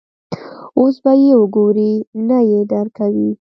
اوس به یې وګورې، نه یې درکوي.